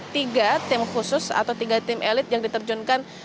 tiga tim khusus atau tiga tim elit yang diterjunkan